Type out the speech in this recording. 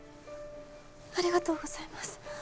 ありがとうございます。